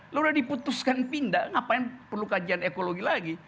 lalu udah diputuskan pindah ngapain perlu kajian ekologi lagi